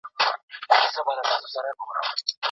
د دردونو او غمونو